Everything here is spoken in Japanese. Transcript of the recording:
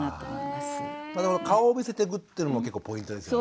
顔を見せてっていうのも結構ポイントですよね。